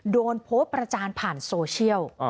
โดนโพสต์ประจานผ่านโซเชียล